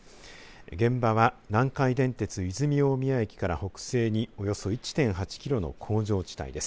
現場は南海電鉄和泉大宮駅から北西におよそ１．８キロの工場地帯です。